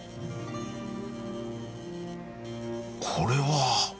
これは！？